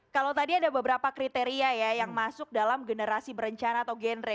kalau tadi ada beberapa kriteria ya yang masuk dalam generasi berencana atau genre